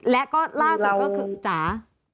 และก็ล่าสุดก็คือจ๋า